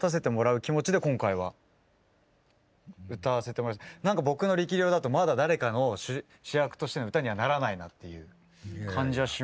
でも自分がこう歌いだすと僕の力量だとまだ誰かの主役としての歌にはならないなっていう感じはしました。